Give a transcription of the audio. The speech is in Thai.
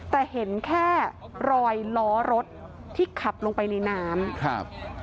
แต่เห็นแค่รอยล้อรถที่ขับลงไปในน้ำครับ